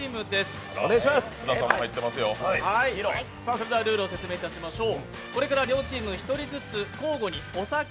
それでは、ルールを説明いたしましょう。